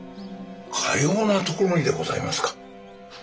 かような所にでございますか？